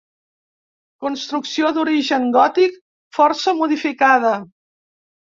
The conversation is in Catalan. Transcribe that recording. Construcció d'origen gòtic força modificada.